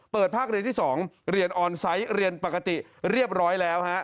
ภาคเรียนที่๒เรียนออนไซต์เรียนปกติเรียบร้อยแล้วฮะ